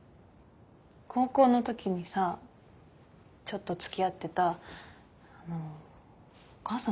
高校のときにさちょっと付き合ってたあのお母さん覚えてるかな？